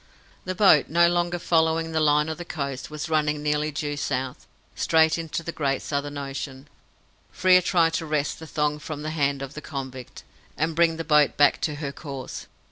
The boat, no longer following the line of the coast, was running nearly due south, straight into the great Southern Ocean. Frere tried to wrest the thong from the hand of the convict, and bring the boat back to her course.